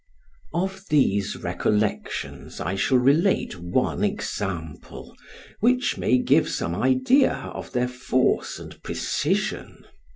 Of these recollections I shall relate one example, which may give some idea of their force and precision.